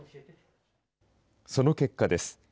その結果です。